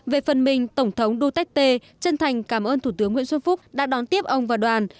về phần mình tổng thống duterte chân thành cảm ơn thủ tướng nguyễn xuân phúc đã đón tiếp ông và đoàn